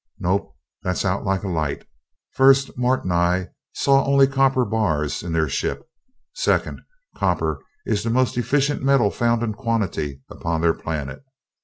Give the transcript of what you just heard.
"Nope, that's out like a light. First, Mart and I saw only copper bars in their ship. Second, copper is the most efficient metal found in quantity upon their planet.